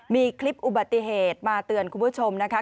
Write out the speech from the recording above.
มีคลิปอุบัติเหตุมาเตือนคุณผู้ชมนะคะ